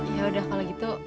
yaudah kalau gitu